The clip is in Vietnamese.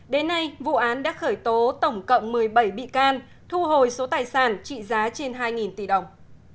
đến nay vụ án đã khởi tố tổng cộng một mươi bảy bị can thu hồi số tài sản trị giá trên hai tỷ đồng